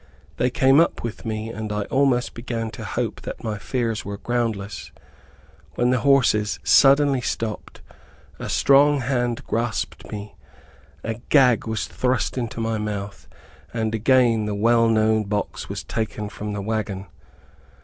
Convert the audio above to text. They came up with me, and I almost began to hope that my fears were groundless, when the horses suddenly stopped, a strong hand grasped me, a gag was thrust into my mouth, and again the well known box was taken from the wagon.